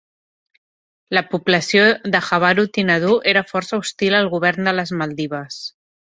La població de Havaru Thinadhoo era força hostil al govern de les Maldives.